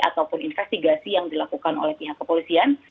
ataupun investigasi yang dilakukan oleh pihak kepolisian